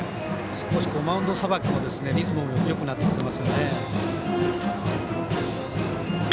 少しマウンドさばきもリズムもよくなってきてますね。